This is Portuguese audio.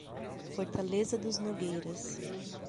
Fortaleza dos Nogueiras